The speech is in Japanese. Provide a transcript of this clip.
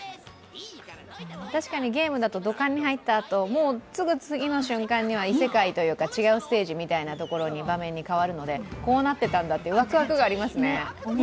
確かにゲームだと土管に入ったあと、すぐ次の瞬間に異世界というか違うステージ、場面に変わるので、こうなっていたんだというワクワクがありますね。